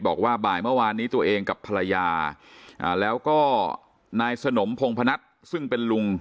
บอกว่าบ่ายเมื่อวานนี้ตัวเองกับภรรยาแล้วก็นายสนมพงพนัทซึ่งเป็นลุง